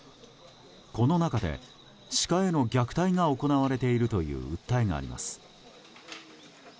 この中でシカへの虐待が行われているという訴えがあります。